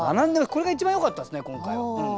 これが一番よかったですね今回。